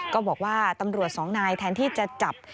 ก็บอกว่าตำรวจสองนายแทนที่จะจับ